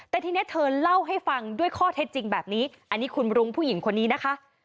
แต่ทีนี้เธอเล่าให้ฟังด้วยข้อเท็จจริงแบบนี้อันนี้คุณรุ้งผู้หญิงคนนี้นะคะ